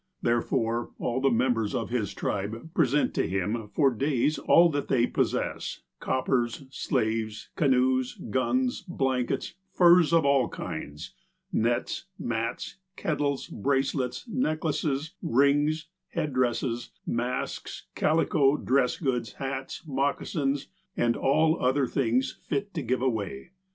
Therefore, all the members of his tribe present to him for days all that they possess, copi^ers, slaves, canoes, guns, blankets, furs of all kinds, nets, mats, kettles, bracelets, necklaces, rings, head dresses, masks, calico, dress goods, hats, moccasins, and all other things fit to give away.